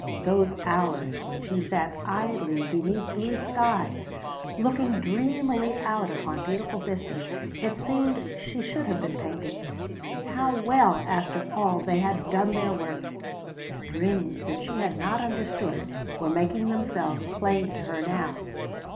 Those hours when she sat idly beneath blue skies, looking dreamily out upon beautiful vistas it seemed she should have been painting how well, after all, they had done their work! Dreams which she had not understood were making themselves plain to her now.